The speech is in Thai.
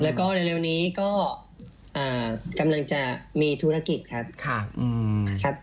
แล้วก็เร็วนี้ก็กำลังจะมีธุรกิจครับค่ะครับ